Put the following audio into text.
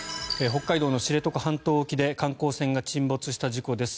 北海道の知床半島沖で観光船が沈没した事故です。